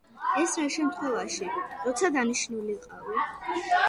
ეს რა შემთხვევაში, როცა დანიშნული იყავი?